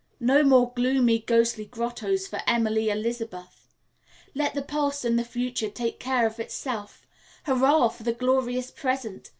"No more gloomy, ghostly grottos for Emily Elizabeth. Let the past and the future take care care of itself. Hurrah for the glorious present!